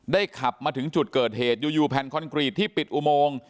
ขับมาถึงจุดเกิดเหตุอยู่แผ่นคอนกรีตที่ปิดอุโมง